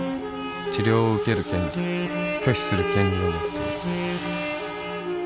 治療を受ける権利拒否する権利を持っている